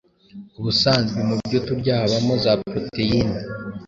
ubusanzwe mu byo turya habamo za proteins